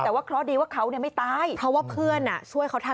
แต่ว่าเคราะห์ดีว่าเขาเนี่ยไม่ตายเพราะว่าเพื่อนช่วยเขาทัน